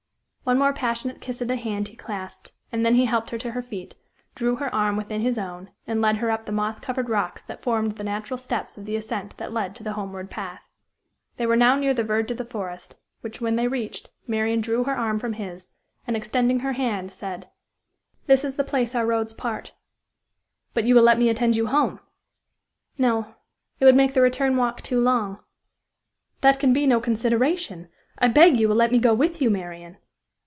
One more passionate kiss of the hand he clasped, and then he helped her to her feet, drew her arm within his own, and led her up the moss covered rocks that formed the natural steps of the ascent that led to the homeward path. They were now near the verge of the forest, which, when they reached, Marian drew her arm from his, and, extending her hand, said: "This is the place our roads part." "But you will let me attend you home?" "No; it would make the return walk too long." "That can be no consideration, I beg you will let me go with you, Marian."